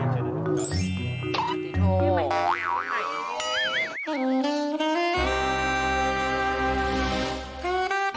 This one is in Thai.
สวัสดีค่ะ